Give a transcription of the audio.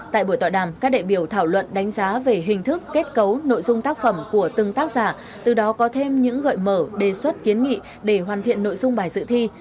tại buổi tọa đàm các đại biểu thảo luận đánh giá về hình thức kết cấu nội dung tác phẩm của từng tác giả từ đó có thêm những gợi mở đề xuất kiến nghị để hoàn thiện nội dung bài dự thi